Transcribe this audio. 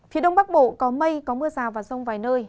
phía đông bắc bộ có mây có mưa rào và rông vài nơi